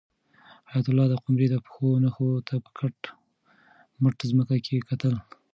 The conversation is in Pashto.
حیات الله د قمرۍ د پښو نښو ته په کټ مټه ځمکه کې کتل.